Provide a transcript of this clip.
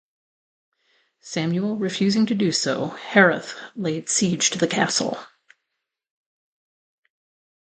Samuel refusing to do so, Harith laid siege to the castle.